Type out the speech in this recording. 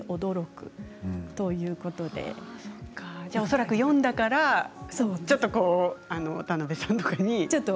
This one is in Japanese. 恐らく読んだからちょっと田辺さんとかに。